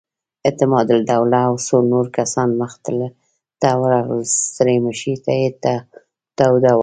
اعتماد الدوله او څو نور کسان مخې ته ورغلل، ستړې مشې یې توده وه.